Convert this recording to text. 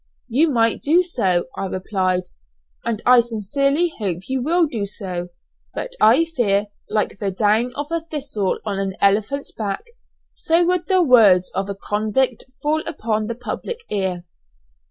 "You might do so," I replied, "and I sincerely hope you will do so; but I fear, like the down of a thistle on an elephant's back, so would the words of a convict fall upon the public ear!"